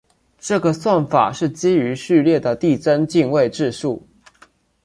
这个算法是基于序列的递增进位制数。